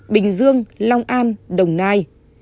bình dương long an đồng nai